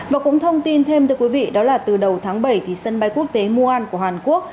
và cũng thông tin thêm thưa quý vị đó là từ đầu tháng bảy thì sân bay quốc tế muan của hàn quốc